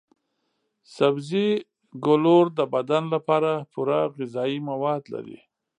سبزي ګولور د بدن لپاره پوره غذايي مواد لري.